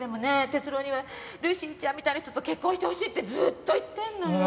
「哲郎にはルーシーちゃんみたいな人と結婚してほしい」ってずーっと言ってんのよ。